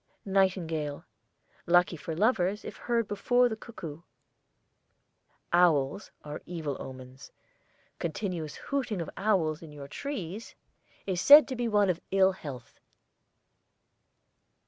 NIGHTINGALE. Lucky for lovers if heard before the cuckoo. OWLS are evil omens. Continuous hooting of owls in your trees is said to be one of ill health.